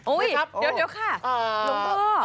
เดี๋ยวค่ะหลวงพ่อ